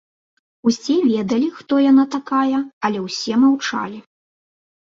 Усе ведалі, хто яна такая, але ўсе маўчалі.